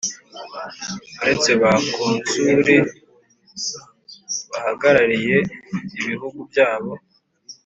uretse ba konsuli bahagarariye ibihugu byabo